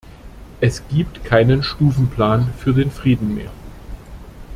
Es gibt keinen Stufenplan für den Frieden mehr.